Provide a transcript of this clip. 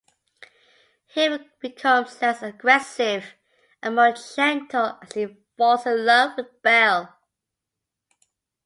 He becomes less aggressive and more gentle as he falls in love with Belle.